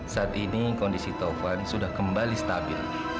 saat ini kondisi tovan sudah kembali stabil